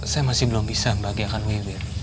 saya masih belum bisa membahagiakan wibir